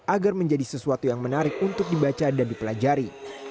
agar menjadi sesuatu yang menarik untuk dibaca dan dipelajari